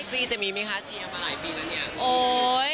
ซี่จะมีไหมคะเชียร์มาหลายปีแล้วเนี่ย